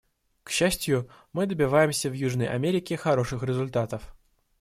К счастью, мы добиваемся в Южной Америке хороших результатов.